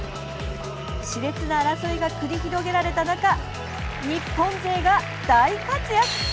しれつな争いが繰り広げられた中日本勢が、大活躍！